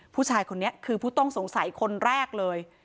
ผู้ชายคนนี้คือผู้ต้องสงสัยคนแรกเลย